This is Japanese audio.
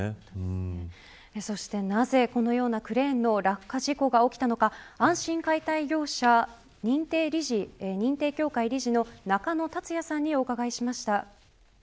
そしてなぜ、このようなクレーンの落下事故が起きたのかあんしん解体業者認定協会理事の中野達也さんにお伺いしました。